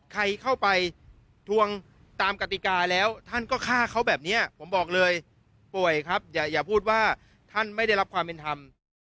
ใครเข้าไปทวงตามกติกาแล้วท่านก็ฆ่าเขาแบบนี้ผมบอกเลยป่วยครับอย่าพูดว่าท่านไม่ได้รับความเป็นธรรม